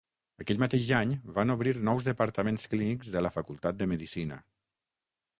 Aquell mateix any van obrir nous departaments clínics de la facultat de medicina.